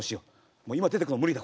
もう今出てくの無理だ